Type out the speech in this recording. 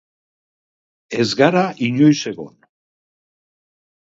Ez gara inoiz egon!